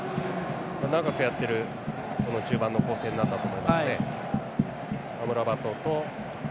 長くやってるこの中盤の構成になったと思います。